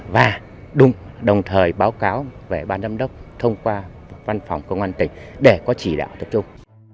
và đúng đồng thời báo cáo về ban giám đốc thông qua văn phòng công an tỉnh để có chỉ đạo tập trung